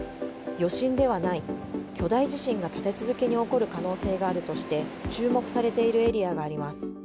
余震ではない巨大地震が立て続けに起こる可能性があるとして、注目されているエリアがあります。